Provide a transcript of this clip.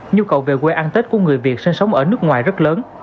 nhu cầu về quê ăn tết của người việt sinh sống ở nước ngoài rất lớn